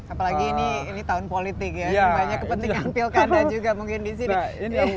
apalagi ini tahun politik ya kepentingan pilkada juga mungkin disini